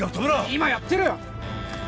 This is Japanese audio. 今やってるよ！